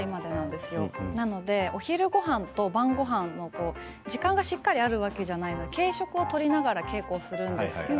ですからお昼ごはんと晩ごはんの時間がしっかりあるわけではなくて軽食をとりながら稽古をしています。